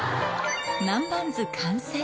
南蛮酢完成